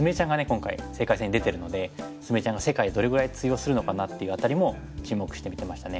今回世界戦に出てるので菫ちゃんが世界でどれぐらい通用するのかなっていう辺りも注目して見てましたね。